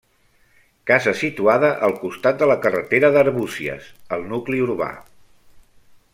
Casa situada al costat de la carretera d'Arbúcies, al nucli urbà.